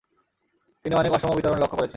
তিনি অনেক অসম বিতরণ লক্ষ্য করেছেন।